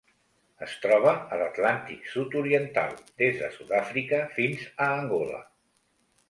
Es troba a l'Atlàntic sud-oriental: des de Sud-àfrica fins a Angola.